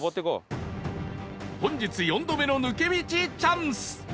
本日４度目の抜け道チャンス